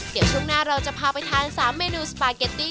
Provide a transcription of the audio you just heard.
เดี๋ยวช่วงหน้าเราจะพาไปทาน๓เมนูสปาเกตตี้